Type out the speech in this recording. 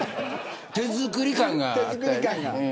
手作り感があったよね。